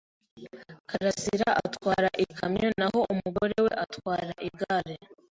Karasiraatwara ikamyo naho umugore we atwara igare.